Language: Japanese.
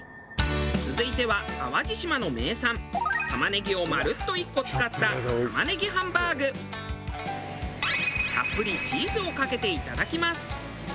続いては淡路島の名産玉ねぎをまるっと１個使ったたっぷりチーズをかけていただきます。